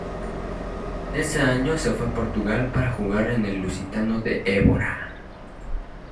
Ese año se fue a Portugal para jugar en el Lusitano de Évora.